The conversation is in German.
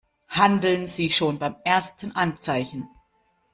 Handeln Sie schon beim ersten Anzeichen!